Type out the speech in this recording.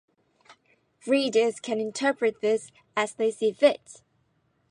Readers can interpret this as they see fit.